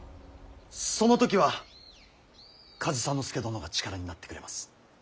その時は上総介殿が力になってくれます。